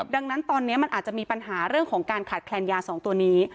ดังนั้นตอนนี้มันอาจจะมีปัญหาเรื่องของการขาดแคลนยา๒ตัวนี้